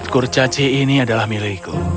kurcaci ini adalah minumku